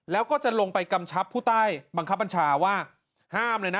แล้วก็จะลงไปกำชับผู้ใต้บังคับบัญชาว่าห้ามเลยนะ